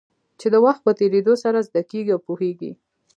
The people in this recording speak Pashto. چې د وخت په تېرېدو سره زده کېږي او پوهېږې.